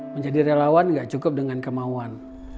menjadi relawan gak cukup dengan kemauan